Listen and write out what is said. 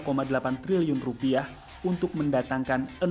untuk mendatangkan tiga delapan triliun rupiah untuk mencapai tiga delapan triliun rupiah